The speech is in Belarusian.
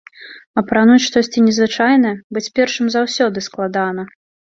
Апрануць штосьці незвычайнае, быць першым заўсёды складана.